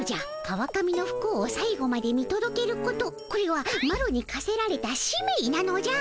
川上のふ幸をさい後まで見とどけることこれはマロにかせられた使命なのじゃ。